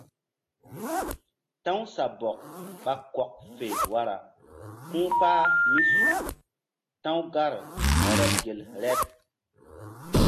Ta̧w sabɔk ɓa kɔk fe wara ku̧ kpah mí su ta̧w gar reɗ gel reɗ.